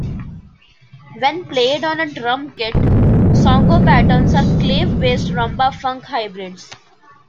When played on a drum kit, songo patterns are clave-based rumba-funk hybrids.